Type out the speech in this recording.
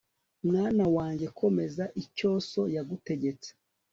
Mwana wanjye komeza icyo so yagutegetse